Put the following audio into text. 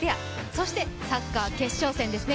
そしてサッカー決勝戦ですね。